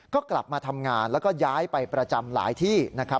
ก็กลับมาทำงานแล้วก็ย้ายไปประจำหลายที่นะครับ